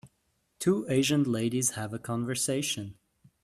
two asian ladies have a conversation.